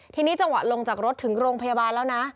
ทีนี้จังหวะลงจากรถถึงโรงพยาบาลแล้วนะ